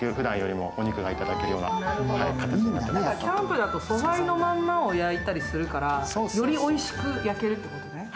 キャンプだと、素材のままを焼いたりするから、よりおいしく焼ける。